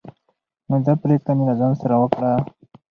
نو دا پريکړه مې له ځان سره وکړه